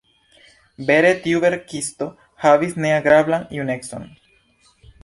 Vere tiu verkisto havis ne agrablan junecon.